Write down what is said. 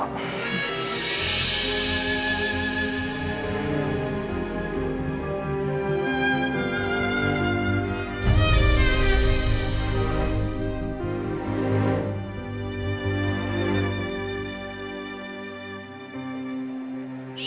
kamu ragak fathers